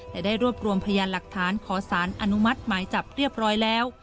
แต่ได้รวบรวมพยานหลักฐานขอสารอนุมัติหมายจับเรียบร้อยแล้ว